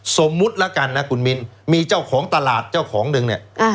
สมมุติแล้วกันนะคุณมิ้นมีเจ้าของตลาดเจ้าของนึงเนี่ย